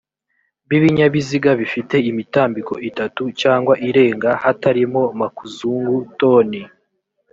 b ibinyabiziga bifite imitambiko itatu cyangwa irenga hatarimo makuzungu toni